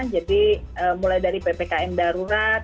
jadi mulai dari ppkm darurat